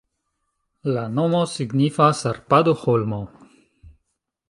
La nomo signifas Arpado-holmo.